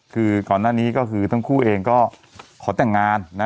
คือก่อนหน้านี้ก็คือทั้งคู่เองก็ขอแต่งงานนะ